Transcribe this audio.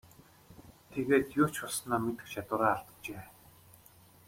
Тэгээд юу ч болсноо мэдэх чадвараа алджээ.